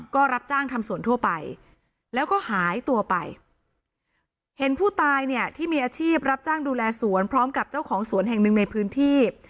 ก็รับจ้างทำสวนทั่วไปแล้วก็หายตัวไปเห็นผู้ตายเนี่ยที่มีอาชีพรับจ้างดูแลสวนพร้อมกับเจ้าของสวนแห่งหนึ่งในพื้นที่